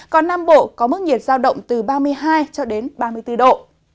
còn nam bộ có mức nhiệt giao động từ ba mươi hai ba mươi bốn độ